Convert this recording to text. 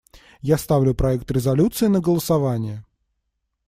Я ставлю проект резолюции на голосование.